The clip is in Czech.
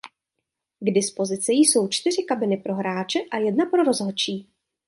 K dispozici jsou čtyři kabiny pro hráče a jedna pro rozhodčí.